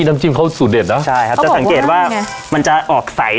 น้ำจิ้มเขาสูตเด็ดเนอะใช่ครับจะสังเกตว่ามันจะออกใส